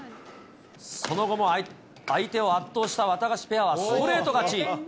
その後も相手を圧倒したワタガシペアはストレート勝ち。